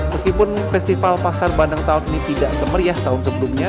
meskipun festival pasar bandeng tahun ini tidak semeriah tahun sebelumnya